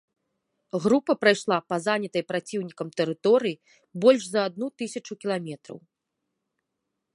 Група прайшла па занятай праціўнікам тэрыторыі больш за адну тысячу кіламетраў.